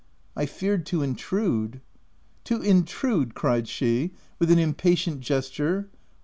" I feared to intrude." "To intrude !" cried she with an impatient gesture.